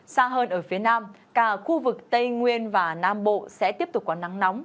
xa hơn ở phía nam cả khu vực tây nguyên và nam bộ sẽ tiếp tục có nắng nóng